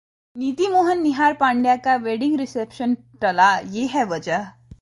नीति मोहन-निहार पांड्या का wedding reception टला, ये है वजह